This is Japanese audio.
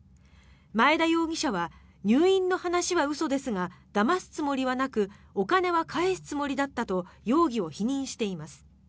マエダ容疑者は入院の話は嘘ですがだますつもりはなくお金は返すつもりだったと容疑を否認しています。